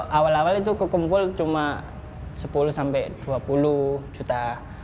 awal awal itu kekumpul cuma sepuluh sampai dua puluh juta